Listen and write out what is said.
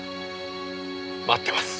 待ってます。